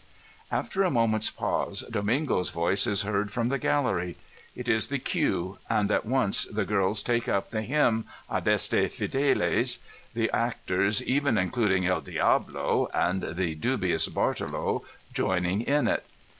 After a moment's pause, Domingo's voice is heard from the gallery. It is the cue, and at once the girls take up the hymn, Adeste Fiddes, the actors, even induding El Diablo and the dubious Bartolo, joining in it.